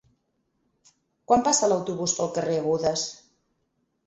Quan passa l'autobús pel carrer Agudes?